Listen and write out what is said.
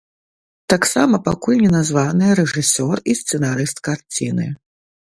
Таксама пакуль не названыя рэжысёр і сцэнарыст карціны.